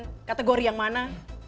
bisa memenangkan kategori yang mana